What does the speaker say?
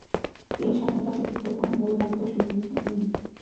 এই সময়টাতে দ্বিতীয় কোন মরু ভালুকের মুখোমুখি হইনি।